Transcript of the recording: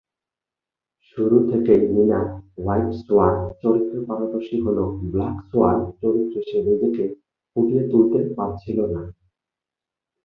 শুরু থেকেই Nina "white swan" চরিত্রে পারদর্শী হলেও "ব্ল্যাক সোয়ান" চরিত্রে সে নিজেকে ফুটিয়ে তুলতে পারছিল না।